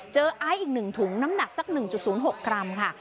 เจอไออีกหนึ่งถุงน้ำหนักสักหนึ่งจุดศูนย์หกกรัมค่ะ